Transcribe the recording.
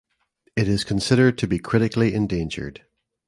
It is considered to be Critically Endangered.